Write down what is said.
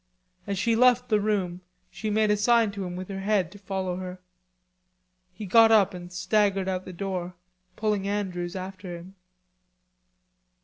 As she left the room she made a sign to him with her head to follow her. He got up and staggered out the door, pulling Andrews after him.